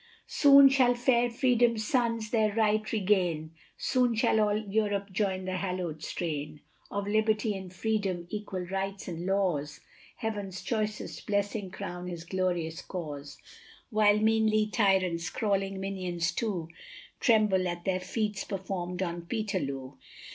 Soon shall fair freedom's sons their right regain, Soon shall all Europe join the hallowed strain, Of Liberty and Freedom, Equal Rights and Laws, Heaven's choicest blessing crown this glorious cause, While meanly tyrants, crawling minions too, Tremble at their feats performed on Peterloo.